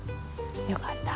よかった。